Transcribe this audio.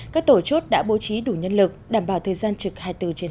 các tổ chốt đã bố trí đủ nhân lực đảm bảo thời gian trực hai mươi bốn trên hai mươi